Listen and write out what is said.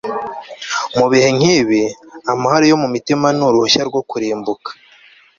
mu bihe nk'ibi, amahoro yo mu mutima ni uruhushya rwo kurimbuka